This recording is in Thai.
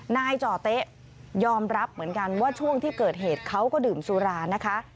นายจ่อเต๊ะยอมรับเหมือนกันว่าช่วงที่เกิดเหตุเขาก็ดื่มสุรานะคะ